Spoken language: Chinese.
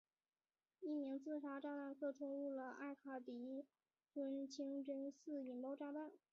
一名自杀炸弹客冲入了艾卡迪村清真寺引爆炸弹。